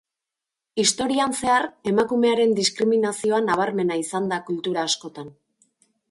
Historian zehar, emakumearen diskriminazioa nabarmena izan da kultura askotan.